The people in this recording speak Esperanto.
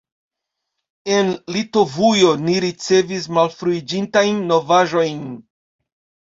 En Litovujo ni ricevis malfruiĝintajn novaĵojn.